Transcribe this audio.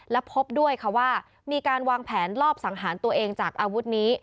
และพบด้วยค่ะว่ามีการวางแผนลอบสังหารตัวเองจากอาวุธนี้